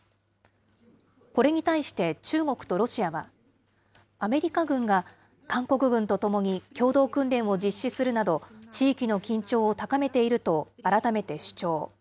これに対して、中国とロシアは、アメリカ軍が韓国軍と共に共同訓練を実施するなど、地域の緊張を高めていると改めて主張。